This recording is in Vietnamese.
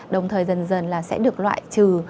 đồng thời dần dần là sẽ được loại trừ